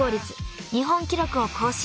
日本記録を更新］